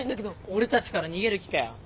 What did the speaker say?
俺たちから逃げる気かよ